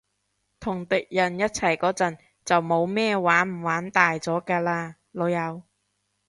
同敵人一齊嗰陣，就冇咩玩唔玩大咗㗎喇，老友